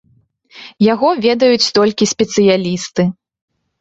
Яго ведаюць толькі спецыялісты.